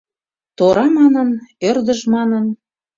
Тора манын, ӧрдыж манын